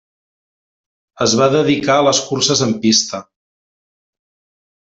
Es va dedicar a les curses en pista.